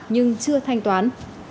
nhưng chưa thanh toán